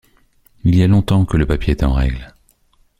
Il y a longtemps que le papier est en règle.